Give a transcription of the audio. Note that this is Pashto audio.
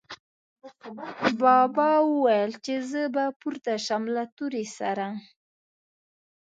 بابا ویل، چې زه به پورته شم له تورې سره